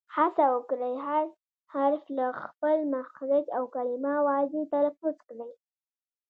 هڅه وکړئ، هر حرف له خپل مخرج او کلیمه واضیح تلفظ کړئ!